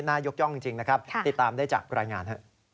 ยกย่องจริงนะครับติดตามได้จากรายงาน